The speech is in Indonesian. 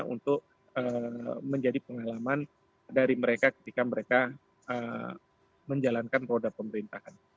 untuk menjadi pengalaman dari mereka ketika mereka menjalankan roda pemerintahan